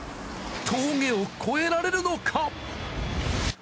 峠を越えられるのか？